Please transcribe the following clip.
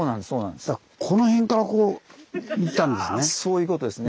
この辺からこういったんですね。